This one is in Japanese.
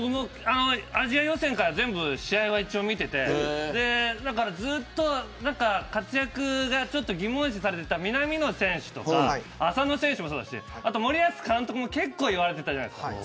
アジア予選から試合は見ていてずっと活躍が疑問視されていた南野選手とか浅野選手もそうだし森保監督も結構言われていたじゃないですか。